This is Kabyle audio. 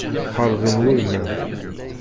Xeṛben wulman.